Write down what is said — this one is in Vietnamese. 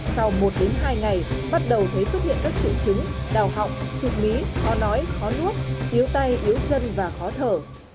sau một hai ngày bắt đầu thấy xuất hiện các triệu chứng đau họng sụp mí khó nói khó nuốt yếu tay yếu chân và khó thở